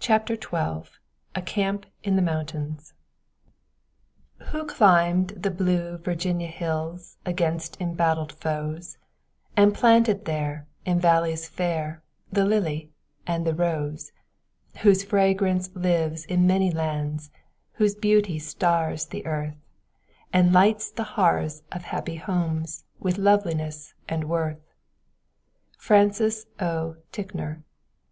CHAPTER XII A CAMP IN THE MOUNTAINS Who climbed the blue Virginia hills Against embattled foes; And planted there, in valleys fair, The lily and the rose; Whose fragrance lives in many lands, Whose beauty stars the earth, And lights the hearths of happy homes With loveliness and worth. Francis O. Ticknor.